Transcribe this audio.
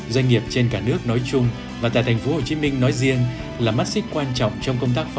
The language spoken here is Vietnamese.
doanh nghiệp trên cả nước nói chung và tại thành phố hồ chí minh nói riêng là mắt xích quan trọng trong công tác phòng chống dịch covid một mươi chín